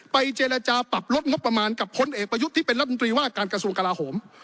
เจรจาปรับลดงบประมาณกับพลเอกประยุทธ์ที่เป็นรัฐมนตรีว่าการกระทรวงกลาโหม